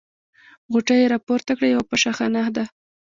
غوټې يې راپورته کړې: یوه پشه خانه ده.